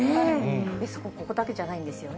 ここだけじゃないんですよね。